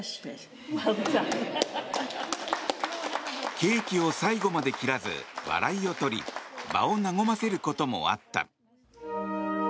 ケーキを最後まで切らず笑いをとり場を和ませることもあった。